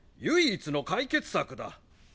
唯一の解決策だ。